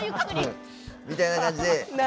みたいな感じで。